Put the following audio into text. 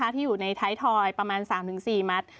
ที่อยู่ในท้ายทอยประมาณ๓๔มัตต์